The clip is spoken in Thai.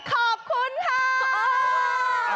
ขอบคุณค่ะ